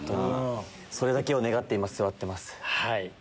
それだけを願って今座ってます。